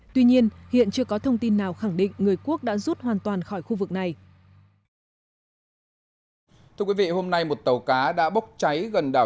tuy nhiên hiện chưa có thông tin nào khẳng định người quốc đã rút hoàn toàn khỏi khu vực này